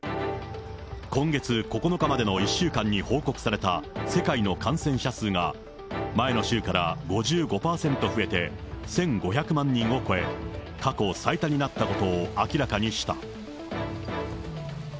今月９日までの１週間に報告された世界の感染者数が前の週から５５％増えて、１５００万人を超え、過去最多になったことを明らかにした。